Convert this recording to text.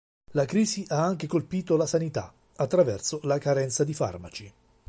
La crisi ha anche colpito la sanità, attraverso la carenza di farmaci.